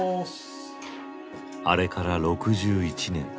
あれから６１年。